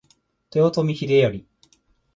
豊臣秀頼